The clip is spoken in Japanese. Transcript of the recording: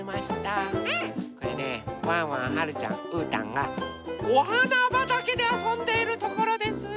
これねワンワンはるちゃんうーたんがおはなばたけであそんでいるところです！